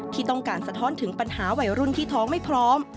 ที่ต้องการสะท้อนถึงปัญหาวัยรุ่นที่ท้องไม่พร้อม